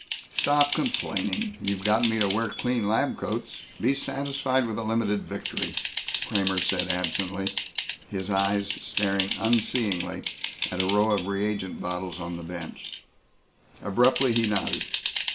"Stop complaining. You've gotten me to wear clean lab coats. Be satisfied with a limited victory," Kramer said absently, his eyes staring unseeingly at a row of reagent bottles on the bench. Abruptly he nodded.